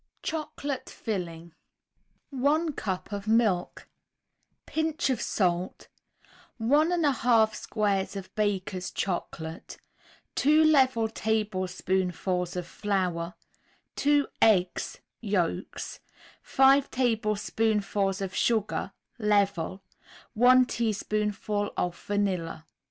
CHOCOLATE FILLING 1 cup of milk, Pinch of salt, 1 1/2 squares of Baker's Chocolate, 2 level tablespoonfuls of flour, 2 eggs (yolks), 5 tablespoonfuls of sugar (level), 1 teaspoonful of vanilla.